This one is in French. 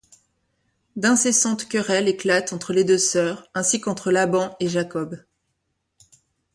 D’incessantes querelles éclatent entre les deux sœurs, ainsi qu’entre Laban et Jacob.